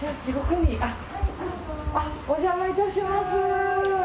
お邪魔いたします。